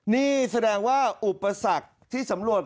นี่แสดงว่าอกฎศักดิ์ที่สำรวจ